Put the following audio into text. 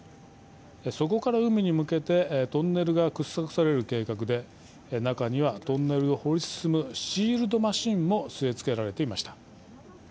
底から海に向けてトンネルが掘削される計画で中にはトンネルを掘り進むシールドマシンも据え付けられていました。